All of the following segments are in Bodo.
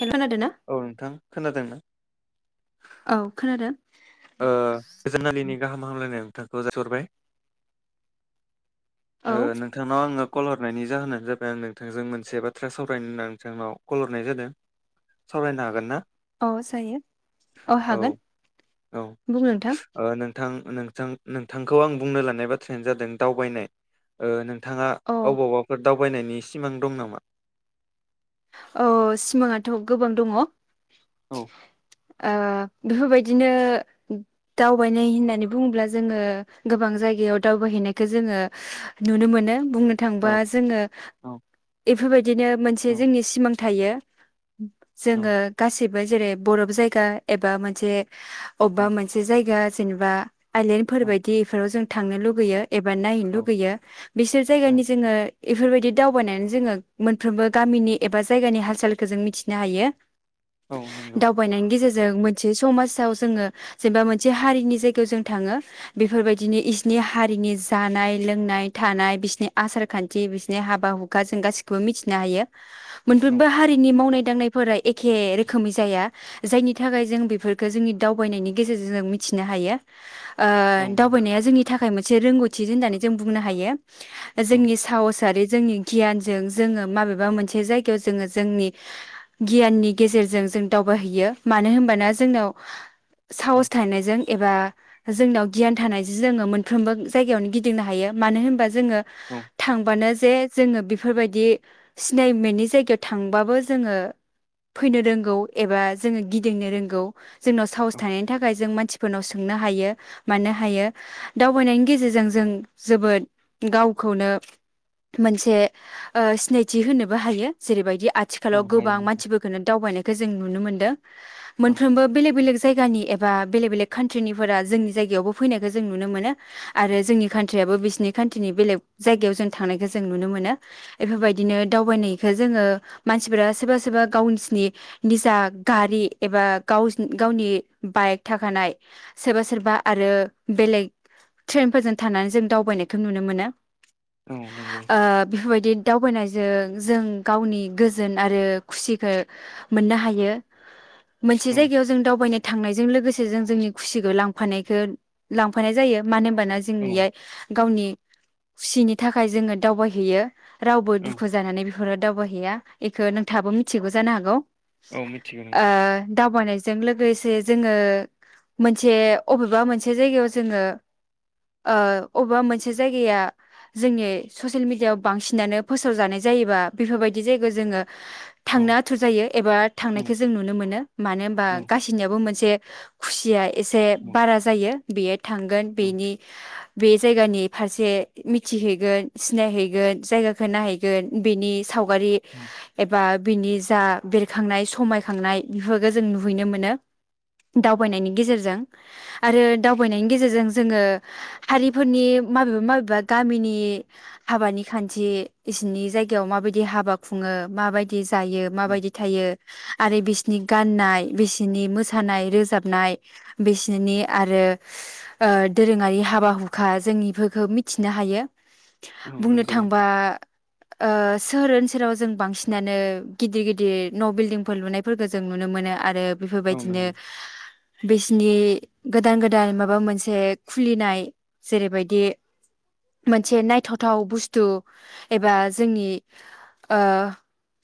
हेल' खोनादों ना औ नोंथां खोनादों। औ खोनादों। ओ गोजोन [unintelligible] लि नि गाहाम हामलायनाय खौ जा [unintelligible] हरबाय औ ओ नोंथांनाव आङो कल हरनायनि जाहोनानो जाबाय आं नोंथांजों मोनसे बाथ्रा सावरायनो होनना नोंथांनाव कल हरनाय जादों। सावरायनो हागोन ना? अ जायो अ औ हागोन। औ। बुं नोंथां ओ नों थां नोंथां नोंथांखौ आं बुंनो लानाय बाथ्रायानो जादों दावबायनाय। ओ नो‌ं थांआ औ अबावबाफोर दावबायनायनि सिमां दं नामा? अ सिमाङाथ' गोबां दङ। औ ओ बेफोरबायदिनो दावबायनाय होननानै बुङोब्ला जोङो गोबां जायगायाव दावबायहैनायखो जोङो नुनो मोनो। बुंनो थांबा औ जोङो औ एफोरबायदिनो औ मोनसे जोंनि सि‌ एयो। जोङो औ गासिबो जेरै बरफ जायगा एबा मोनसे अबेबा मोनसे जायगा जेनेबा आइलेण्डफोर औ बायदि एफोराव जों थांनो लुुबैयो एबा नायनो औ लुुबैयो। बिसोर औ जायगानि जोङो एफोरबायदि दावबायनानै जोङो मोनफ्रोमबो गामिनि एबा जायगानि हाल सालखो जों मिथिनो हायो। औ नंगौ दावबायनायनि गेजेर‌ जों मोनसे समाजाव जोङो जेनेबा मोनसे हारिनि जायगायाव जों थाङो। बेफोरबायदिनो बिसिनि हारिनि जानाय लोंनाय थानाय बिसिनि आसार खान्थि बिसिनि हाबा हुखा जों गासिखौबो मिथिनो हायो। औ मोनफ्रोमबो हारिनि मावनाय दांनायफोरा एखे रोखोमै जाया जायनि थाखाय जों बेफोरखौ जोंनि दावबायनायनि गेजेरजों जों मिथिनो हायो। ओ औ नंगौ दावबायनाया जोंनि थाखाय मोनसे रोंगौ थि होननानै जों बुंनो हायो। औ जोंनि साहसारि जोंनि गियानजों जोङो माबेबा मोनसे मोनसे जायगायाव जोङो जोंनि गियाननि गेजेरजों जों दावबायहैैयो। मानो होनबाना जोंनाव औ साहस थानायनायजों एबा जोंनियाव गियान थानाय जों जोङो मोनफ्रोमबो जायगायावनो गिदिंनो हायो। मानो होनबा जोङो औ थांबानो जे जोङो बेफोरबायदि सिनाय मेनि जायगायाव थांबाबो जोङो फैनो रोंगौ एबा जोङो गिदिंनो रोंगौ। जोंनाव साहस थानायनि थाखाय जों मानसि फोरनाव सोंनो हायो मानो हायो दावबायनायनि गेजेरजों जों जोबोद गावखौनो मोनसे सिनायथि थि होनोबो हायो जेरैबायदि औ आथिखालाव हायो गोबां नोंथां मानसिफोरफोरखौनो दावबायनायखौ जों नुनो मोनदों औ मोनफ्रोमबो बेलेग बेलेग जायगानि एबा बेलेक बेलेक कान्ट्रिनिफोरा जोंनि जायगायावबो फैनायखौ जों नुनो मोनो आरो जोंनि कान्ट्रियाबो बिसिरनि कान्ट्रिनि बेलेग जायगायाव जों थांनायखौ जों नुनो मोनो बेफोरबायदि बिदिनो दावबायनायखौो जोङो मानसिफोरा सोरबा सोरबा गावसिनि निजा गारि एबा गाव गावनि बाइक थाखानाय सोरबा सोरबा आरो बेलेग ट्रेनफोरजों थानानै जों दावबायनायखौ नुनो मोनो औ नंगौ ओ बेफोरबायदि दावबायनाय जों जों गावनि गोजोन आरो खुसिखौ मोननो हायो मोनसे औ जायगायाव जों दावबायनाय थांनायजों लोगोसे जों जोंनि खुसिखौ लांफानायखौ लांफानाय जायो मानो होन बाना जोंनियाइ गावनि खुसिनि थाखाय जोङो दावबायहैयो राव औ खु जानानै बेफोर दावबायहैया बेखौ नोंथाङाबो मिथिगौ जानो हागौ औ मिथिगौ ओ नोंथां दावबनायजों जों लोगोसे जोङो मोनसे अबेबा मोनसे जायगायाव जोङो ओ अबेबा मोनसे जायगाया जोंनि ससेल मिडियाआव बांसिनानो फोसाव फोसाव जानाय जायोबा बेफोरबायदि जायगायाव जोङो औ थांनो आथुर जायो एबा औ थांनायखौ जों नुनो मोनो मानो होनबा औ गाससिनियावबो मोनसे खुसिया एसे औ बारा जायो बेयो थांगोन औ बेनि बे जायगानि फारसे मिथिहैगोन सिनायहैगोन जायगाखौ नाहै गोन बेनि साव गारि एबा बिनि जा बेरखांनाय समायखांनाय बेफोरखौ जों नुहैनो मोनो दावबायनायनि गेजेरजों आरो दावबायनायनि गेजेरजों जोङो हारिफोरनि माबेबा माबेबा गामिनि हाबानि खान्थि इसिनि जायगायाव माबायदि हाबा खुङो माबायदि जायो औ माबायदि थायो आरो बिस नि गाननाय बिसिनि मोसानाय रोजाबनाय बिसिनि आरो ओ दोरोङारि हाबा हुखा जों इफोरखौ मिथिनो हायो औ बुंनो नंगौ थांबा नोंथां ओ सोहोर ओनसोलाव जों बांसिनानो गिदिर गिदिर न' बिल्डिंफोर लुनायफोरखौ जों नुनो मोनो आरो औ बेफोरबायदिनो नंगौ बिसिनि गोदान गोदान माबा मोनसे खुलिनाय जेरैबायदि मोनसे नायथावथाव बुस्थु एबा जोंनि ओ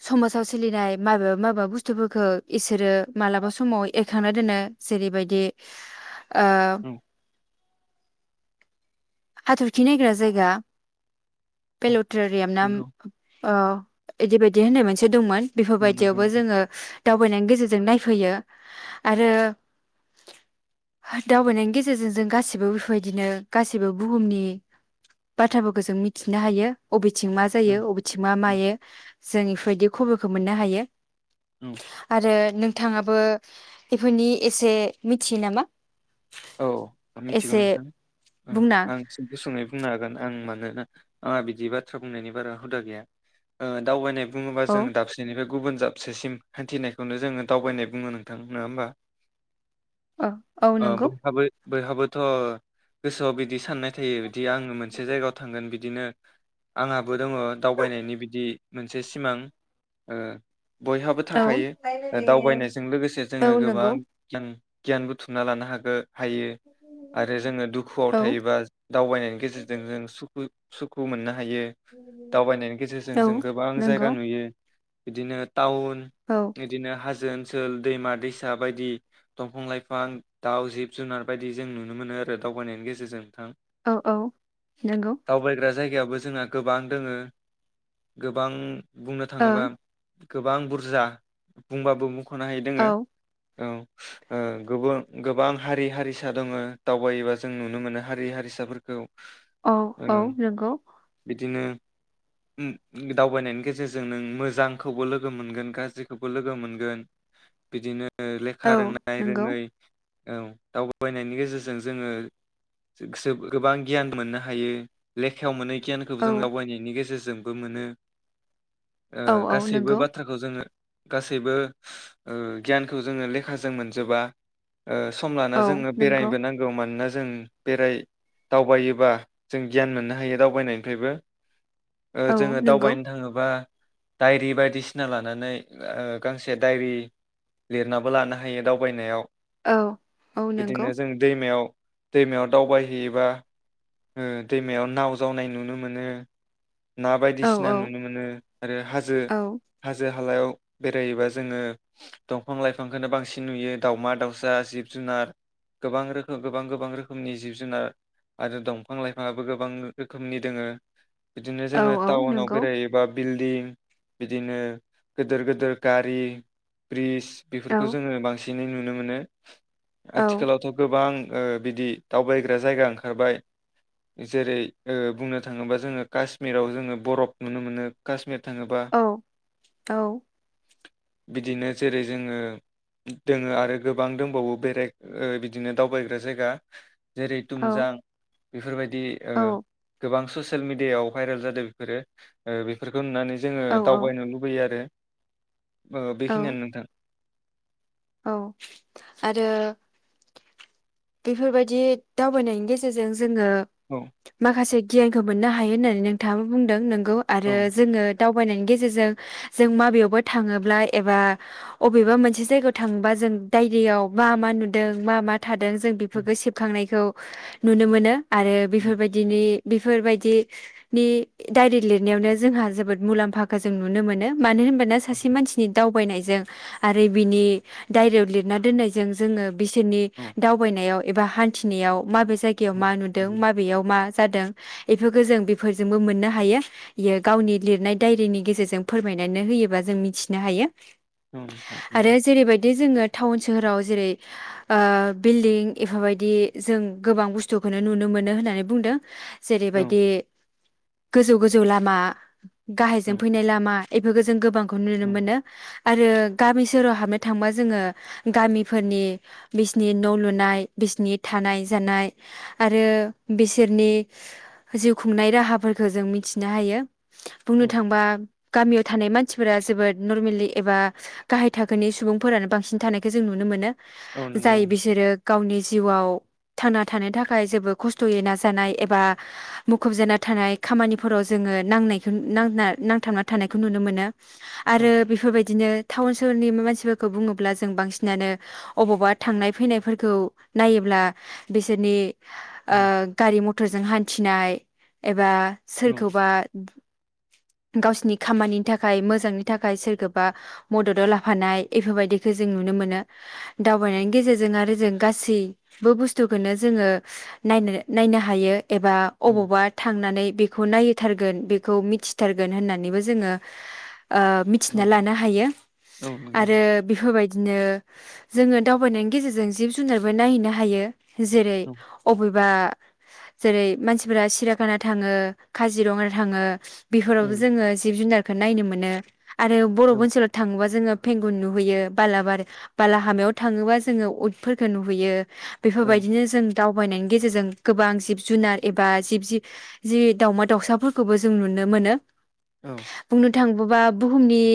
समाजाव सोलिनाय माबेबा माबेबा बुस्थुफोरखौ इसोरो मालाबा समाव एरखांना दोनो जेरैबायदि ओ औ हाथरखि नायग्रा जायगा फेलट थ्ररियाम नाम नंगौ अ इदि बायदि होननाय मोनसे दंमोन औ नंगौ बेफोरबायदियावबो नोंथां। जोङो दावबायनायनि गेजेरजों जों नायफैयो आरो दावबायनायनि गेजेरजों जों गासिबो बेफोरबायदिनो गासिबो बुहुमनि बाथ्राफोरखौ जों मिथिनो हायो बबेथिं मा औ जायो बबेथिं मा मायो जों इफोरबायदि खबरखौ मोननो हायो औ आरो नोंथाङाबो इफोरनि एसे मिथियो नामा? औ मिथिगौ एसे नोंथां औ बुंना आं गुसु गुसुङै बुंनो हागोन आं मानोना आंहा बिदि बाथ्रा बुंनायनि बारा हुदा गैया ओ दावबायनाय बुङोबा औ जों दाबसेनिफ्राय गुबुन जाबसेसिम हान्थिनायखौनो जोङो दावबायनाय बुङो नोंथां नङा होमबा? औ औ ओ नंगौ बयहाबो बयहाबोथ' गोसआव बिदि साननाय थायो दि‌ आ मोनसे जायग थांगोन बिदिनो आंहा बो दङ दावबायनायनि बिदि मोनसे सिमां ओ बयहाबो औ थाखायो दावबायनायजों लोगोसे जोङो औ गोबां नंगौ गियान गियान बुथुमना लानो हागो हायो आरो जोङो दुखुआव औ थायोबा दावबायनायनि गेजेरजों जों सुखु सुखु मोननो हायो दावबायनायनि गेजेरजों औ जों गोबां जायगा नंगौ नुयो बिदिनो टाउन औ बिदिनो हाजोन ओनसोल दैमा दैसा बायदि दंफां लाइफां दाउ जिब जुनार बायदि जों नुनो मोनो आरो दावबायनायनि गेजेरजों नोंथां औ औ नंगौ जोंहा गोबां दोङो गोबां बुंनो ओं थांङोबा गोबां बुरजा बुंबाबो ख'नो हायै औ दोङो औ ओ गुबुन गोबां हारि हारिसा दङ दावबायोबा जों नुनो मोनो हारि हारिसाफोरखौ औ ओ औ नोंगौ बिदिनो उम दावबायनायनि गेजेरजों नों मोजांखौबो लोगो मोनगोन गाज्रिखौबो लोगो मोनगोन बिदिनो ओ औ लेखा रोंनाय नंगौ रोंङै औ दावबायबायनायनि गेजेरजों जोंङो गोबां गियान मोननो हायो लेखायाव मोनै गियानखौ औ जों दावबायनायनि गेजेरजों जोंबो मोनो ओ औ औ गासैबो नंगौ बाथ्राखौ जोंङो गासैबो ओ गियानखौ जोंङो लेखाजों मोनजोबा ओ सम लाना औ जोंङो नंगौ बेरायनोबो नांगौ मानोना जो जों बेराय दावबायोबा जों गियान मोननो हायो दावबायनायनिफ्रायबो ओ औ जोंङो नंगौ दावबायनो थांङोबा दाइरि बायदिसिना लानानै ओ गांसे दायरि लिरनाबो लानो हायो दावबायनायाव औ औ नंगौ बिदिनो जों दैमायाव दैमायाव दावबायहैयोबा ओ दैमायाव नाव जावनाय नुनो मोनो ना औ बायदिसिना नुनो मोनो आरो हाजो औ हाजो हालायाव बेरायोबा जोंङो दंफां लाइफांखोनो बांसिन नुयो दाउमा दाउ [unintelligible] जिब जुनार गोबां रोखो गोबां गोबां रोखोमनि जिब जुनार आरो दंफां लाइफाङाबो गोबां रोखोमनि दोंङो। बिदिनो औ जोंङो औ टाउनाव नंगौ बेरायैबाब बिल्दिं बिदिनो गोदोर गोदोर गारि ब्रिज। औ बेफोरखौ जोंङो बांसि इदिनो नुनोमोनो। औ आथिखालावथ गोबां। ओह बिदि दावबायग्रा जायगा ओंखारबाय जेरै ओह बुंनो थांङोबा जोंङो काशमिराव जोंङो बरफ नुनोमोनो काशमिर। औ औ। बिदिनो जेरै जोंङो दोंङो आरो गोब गोबां दोंबावो बेराय बिदिनो दावबायग्रा जायगा। जेरै औ तुमजां। बेफोरबायद दि ओह औ गोबां ससे ससेल मिडियायाव भाइरेलजादो बेफोरो ओह बेफोरखो नुनानै जोंङो औ दावबायनो लुबैयोआरो। ओ औ बेखिनियानो नोंथां। औ आरो बेफोरबादि दावबायनायनि गेजेरजों जोंङो औ माखासे गियानखो मोननोहायो होननानै नोंथाङाबो बुंदों नों गौ औ आरो जोङो दावबायनायनि गेजेरजों जों माबेयावबा थाङोब्ला एबा अबेबा मोनसे जायगायाव थाङोबाजों डायरियाव मा मा नुदों मा मा थादों जों औ बेफोरखो सेबखांनायखौ नुनोमोनो। आरो बेफोरबायदिनि बेफोरबायदि नि डायरि लिरनायावनो जोंहा जोबोद मुलाम्फाखोजों नुनोमोनो। मानो होनबाना सासे मानसिनि दावबायनायजों आरो बिनि डायरियाव लिरना दोननायजों जोङो बिसोरनि औ दावबायनायाव एबा हान्थिनायाव माबे जायगायाव औ मानुदों माबेयाव मा जादों इफोरखोजों बेफोरजोंबो मोननो हायो इयो गावनि लिरनाय डायरिनि गेजेरजों फोरमायनानै होयोबाजों मिथिनो हायो। आरो जेरैबायदि [inaudible] जोङो टाउन सोहोराव जेरै ओ बिल्डिं एफाबायदि जों गोबां बुस्थुखौनो नुनो मोनो होननानै बुंदों औ जेरैबायदि गोजौ गोजौ लामा गाहायजों औ फैनाय लामा बेफोरखौ जों गोबां नुनो मोनो। आरो गामि सोहोराव हाबनो थांबा जोङो गामिफोरनि बिसिनि न' लुनाय बिसिनि थानाय जानाय आरो बिसोरनि जिउ खुंनाय राहाफोरखौ जों मिथिनो हायो। बुंनो औ थांबा गामियाव थानाय मानसिफोरा जोबोद नरमेलि एबा गाहाय थाखोनि सुबुंफोरानो बांसिन थानायखौ जों नुनो मोनो। औ नोंथां। जेरो गावनि जिउआव थांना थानो थाखाय जेबो खस्थ'यै नाजानाय एबा मुखुब जाना थानाय खामानिफोराव जोङो नांनाय नांथाबना थानायखौ नुनो मोनो। आरो औ बेफोरबाय बिदिनो टाउन सहरनि मानसिफोरखौ बुङोब्ला जों बांसिनानो अबावबा थांनाय फैनायफोरखौ नायोब्ला बिसोरनि ओ औ गारि मट टर'जों हान्थिनाय एबा औ सोरखौबा गावसिनि खामानिनि थाखाय मोजांनि थाखाय सोरखौबा मददाव लाफानाय बेफोरबायदिखौ जों नुनो मोनो दावबायनायनि गेजेर जों आरो जों गासैबो बुस्थुखौनो जोङो नायनो नायनो हायो एबा औ अबावबा थांनानै बेखौ नायथारगोन बेखौ मिथिथारगोन होननानैबो जोङो ओ औ मिथिना लानो हायो औ नंगौ आरो नोंथां बेफोरबायदि बिदिनो जोङो दावबायनायनि गेजेरजों जिब जुनारबो नायहैनो हायो जेरै औ अब बा जेरै मानसिफोरा सिराखाना थाङो काजिरङा थाङो बेफोरावबो उम जो जिब जुनार नायनो मोनो आरो बर'ब औ ओनसोलाव थाङोबा जोङो फेंगुन नुहैयो बालाबारि बाला हामायाव थाङोबा जों जोङो उदफोरखौ नुहैयो औ बेफोरबायदिनो जों दावबायनायनि गेजेरजों गोबां जिब जुनार एबा जिब जि जि दावमा दावसाफोरखौबो जों नुनो मोनो औ। थांबोबा बुहुमनि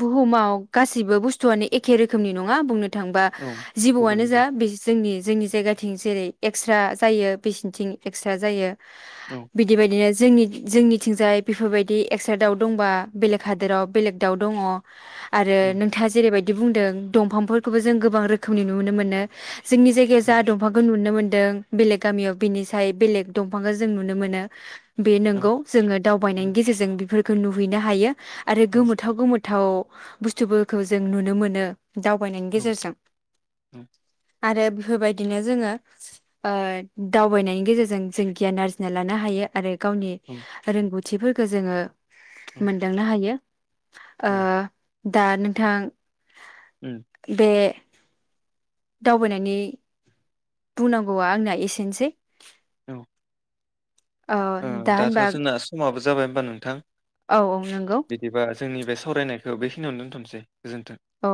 बुुमाव गासिबो बुस्थुआनो एखे रोखोमनि नङा बुंनो थांबा औ गुबुन जिबौआनो जा गुबुन बे जोंनि जोंनि जायगाथिं जेरै एक्स्रा जायो बेसिनथिं एकस्रा जायो। औ बिदि बायदिनो जोंनि जोंनिथिंजाय बेफोरबायदि एक्स्रा दाउ दंबा बेलेग हादोराव बेलेग दाउ दङ'। आरो उम नोंथाङा जेरैबायदि बिदि बुंदों दंफांफोर खौबो जों गोबां रोखोमनि नुनो मोनो। जोंनि जायगायाव औ जाोंहा दंफांखौ नुनो मोन दों बेलेग गामियाव बिनिसाय बेलेग दंफांखौ जों नुनो मोनो। बे औ नंगौ जोङो औ दावबायनायनि गेजेरजों बेफोर खौ नुहैनो हायो। आरो औ गोमोथाव गोमो थाव बुस्थुफोरखौ जों नुनो मोनो दाव बायनायनि गेजेरजों आरो बेफोरबायदिनो जोङो ओ दावबायनायनि गेजेरजों जों गियान आरजिना लानो हायो आरो गावनि रोंगौ थिफोरखौ जोङो मोनदांनो हायो। ओ औ दा नोंथां उम। बे दावबायनायनि बुंनांगौआ आंना एसेनोसै। औ। ओ दा दाथ' होनबा जोंना समाबो जाबाय होमबा नोंथां। औ औ नंगौ। बिदिबा जोंनि बे सावरायनायखौ बेखिनियावनो दोनथ'नोसै। गोजोन्थों। औ।